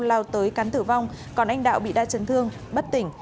lao tới cắn tử vong còn anh đạo bị đa chấn thương bất tỉnh